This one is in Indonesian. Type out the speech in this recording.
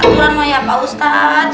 aturan mah ya pak ustadz